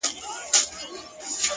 ماته اوس هم راځي حال د چا د ياد؛